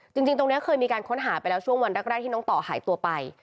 จริงตรงนี้เคยมีการค้นหาไปแล้วช่วงวันแรกที่น้องต่อหายตัวไป